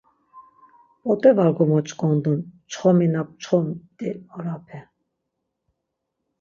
p̌ot̆e var gomoç̌ondun çxomi na p̌ç̌opumt̆i orape.